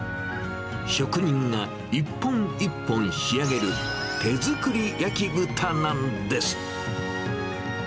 職人が一本一本仕上げる手作り焼き豚なんです。